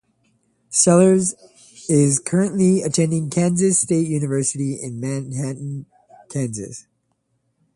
Sellers is currently attending Kansas State University in Manhattan, Kansas.